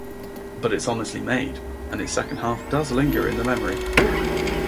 But it's honestly made, and its second half does linger in the memory.